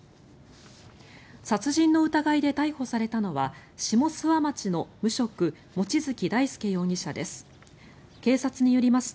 殺人の疑いで逮捕されたのは下諏訪町の無職・望月大輔容疑者です。